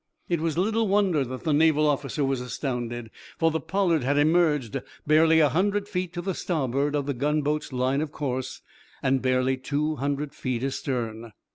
It was little wonder that the Naval officer was astounded. For the "Pollard" had emerged barely a hundred feet to the starboard of the gunboat's line of course, and barely two hundred feet astern.